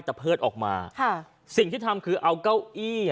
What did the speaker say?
ตเผลอภลื่นออกมาสิ่งที่ทำคือเอาเก้าอี้